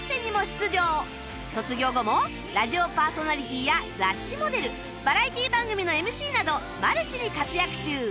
卒業後もラジオパーソナリティーや雑誌モデルバラエティー番組の ＭＣ などマルチに活躍中